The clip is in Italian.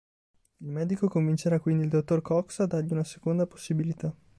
Il medico convincerà quindi il dottor Cox a dargli una seconda possibilità.